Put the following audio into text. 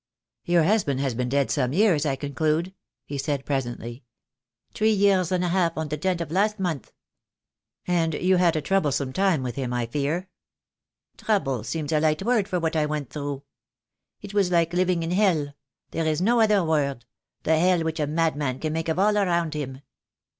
"Your husband has been dead some years, I con clude?" he said, presently. " Three years and a half on the tenth of last month." "And you had a troublesome time with him, I fear?" "Trouble seems a light word for what I went through. It was like living in hell — there is no other word — the hell which a madman can make of all around him.